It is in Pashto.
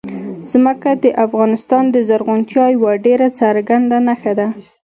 ځمکه د افغانستان د زرغونتیا یوه ډېره څرګنده نښه ده.